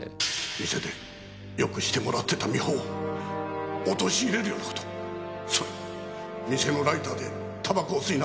店で良くしてもらってた美穂を陥れるような事をそれも店のライターでタバコを吸いながら。